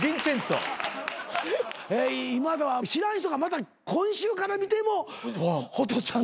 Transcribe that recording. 今田は知らん人がまた今週から見てもホトちゃん。